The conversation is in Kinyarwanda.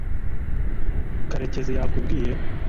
karekezi yakubwiye